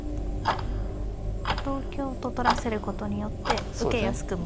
同香と取らせることによって受けやすくも。